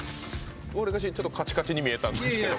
ちょっとカチカチに見えたんですけど。